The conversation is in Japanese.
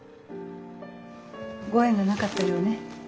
ご縁がなかったようね。